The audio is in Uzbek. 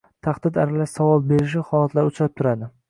tahdid aralash savol berishi holatlari uchrab turadi...